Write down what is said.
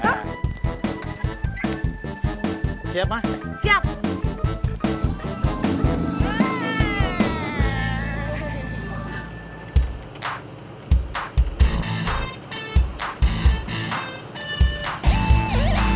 karena mobilnya bisa keririk